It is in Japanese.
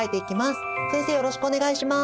よろしくお願いします。